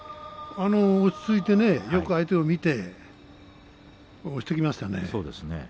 落ち着いてよく相手を見て押していきましたね。